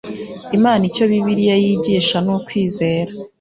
imana icyo bibiliya yigisha nukwizera